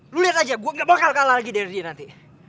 lu lihat aja gue gak bakal kalah lagi dari dia nanti